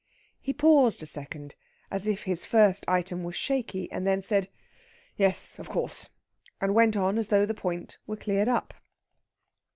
He paused a second, as if his first item was shaky; then said, "Yes! of course." And went on as though the point were cleared up.